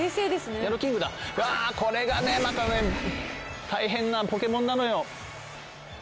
ヤドキングだこれがねまた大変なポケモンなのよ。